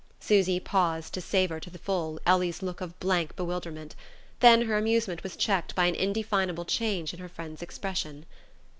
Susy paused to savour to the full Ellie's look of blank bewilderment; then her amusement was checked by an indefinable change in her friend's expression.